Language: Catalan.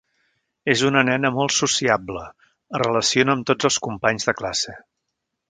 És una nena molt sociable, es relaciona amb tots els companys de classe.